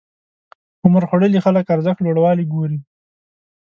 عمرخوړلي خلک ارزښت لوړوالی ګوري.